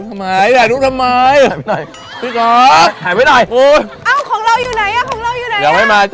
ป่าวที่คือเฟรย์เงินของพี่เครื่องแล้วไปดูดิ